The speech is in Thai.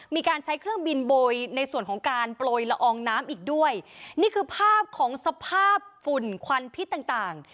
มีการใช้เครื่องบินโบยในส่วนของการโปรยละอองน้ำอีกด้วยนี่คือภาพของสภาพฝุ่นควันพิษต่างต่าง